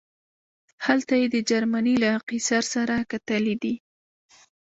هلته یې د جرمني له قیصر سره کتلي دي.